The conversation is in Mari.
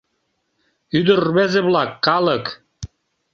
Ӱдыр-рвезе-влак, калык.